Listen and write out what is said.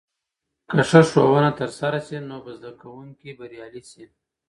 که ښه ښوونه ترسره سي، نو به زده کونکي بريالي سي.